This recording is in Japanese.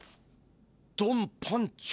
ドン・パンチョ。